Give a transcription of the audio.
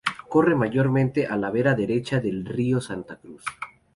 Corre mayormente a la vera derecha del Río Santa Cruz.